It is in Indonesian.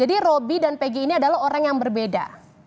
jadi robi dan peggy ini adalah orang yang berbeda